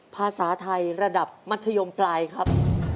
ภาษาไทยระดับมัธยมปลายครับ